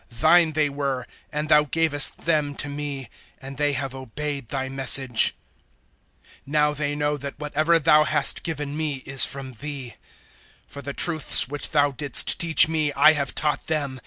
Thine they were, and Thou gavest them to me, and they have obeyed Thy message. 017:007 Now they know that whatever Thou hast given me is from Thee. 017:008 For the truths which Thou didst teach me I have taught them.